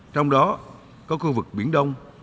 trong đó có khu vực biển đông